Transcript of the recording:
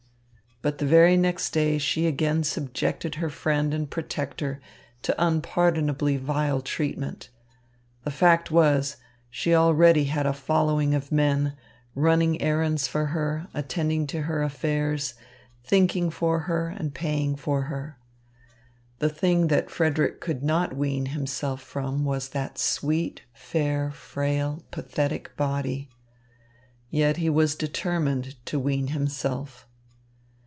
But the very next day she again subjected her friend and protector to unpardonably vile treatment. The fact was, she already had a following of men, running errands for her, attending to her affairs, thinking for her, and paying for her. The thing that Frederick could not wean himself from was that sweet, fair, frail, pathetic body. Yet he was determined to wean himself.